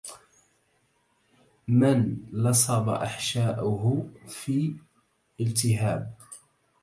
من لصب أحشاؤه في التهاب